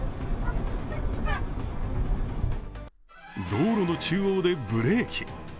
道路の中央でブレーキ。